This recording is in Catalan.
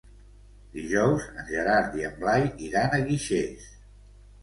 Dijous en Gerard i en Blai iran a Guixers.